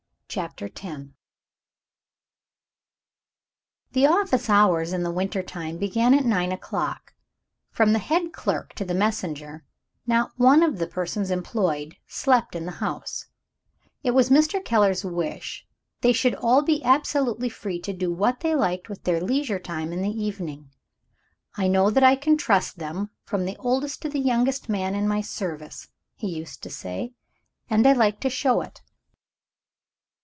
CHAPTER X The office hours, in the winter time, began at nine o'clock. From the head clerk to the messenger, not one of the persons employed slept in the house: it was Mr. Keller's wish that they should all be absolutely free to do what they liked with their leisure time in the evening: "I know that I can trust them, from the oldest to the youngest man in my service," he used to say; "and I like to show it."